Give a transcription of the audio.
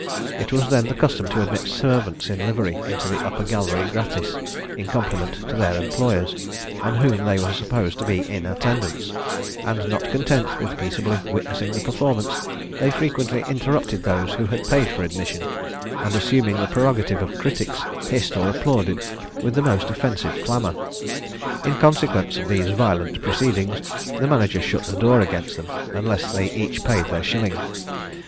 It was then the custom to admit servants in livery into the upper gallery gratis, in compliment to their employers, on whom they were supposed to be in attendance; and not content with peaceably witnessing the performance, they frequently interrupted those who had paid for admission, and, assuming the prerogative of critics, hissed or applauded with the most offensive clamour. In consequence of these violent proceedings, the manager shut the door against them, unless they each paid their shilling.